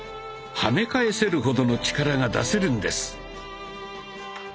はね返せるほどの力が出せるんです。